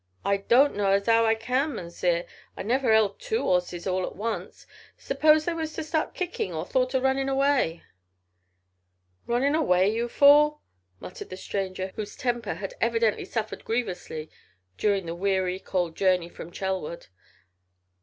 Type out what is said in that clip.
"I doan't know as 'ow I can, Mounzeer. I've never 'eld two 'orzes all at once. Suppose they was to start kickin' or thought o' runnin' away?" "Running away, you fool!" muttered the stranger, whose temper had evidently suffered grievously during the weary, cold journey from Chelwood.